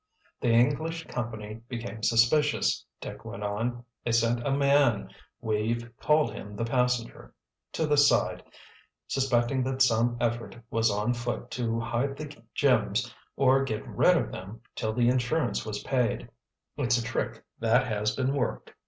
"The English company became suspicious," Dick went on. "They sent a man—we've called him 'the passenger'—to this side, suspecting that some effort was on foot to hide the gems or get rid of them till the insurance was paid—it's a trick that has been worked."